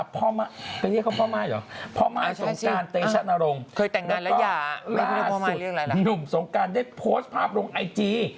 เพื่อพ่อสงการเตชะนรงค์และล่าสุดหลุ่มสงการได้โพสต์ภาพลงไอจี